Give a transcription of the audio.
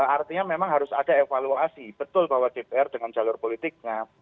artinya memang harus ada evaluasi betul bahwa dpr dengan jalur politiknya